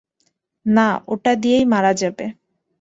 না, ওটা দিয়ে মারা যাবে।